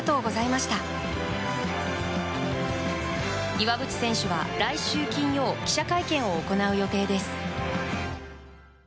岩渕選手は来週金曜記者会見を行う予定です。